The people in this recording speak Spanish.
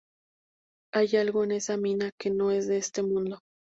Hay algo en esa mina que no es de este mundo.